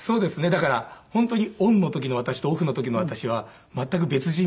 だから本当にオンの時の私とオフの時の私は全く別人みたいで。